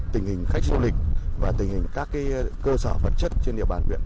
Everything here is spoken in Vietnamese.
tình hình khách du lịch và tình hình các cơ sở vật chất trên địa bàn huyện